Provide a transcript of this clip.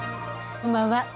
こんばんは。